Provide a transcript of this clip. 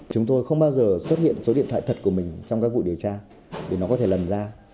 chúng tôi không bao giờ xuất hiện số điện thoại thật của mình trong các vụ điều tra để nó có thể lần ra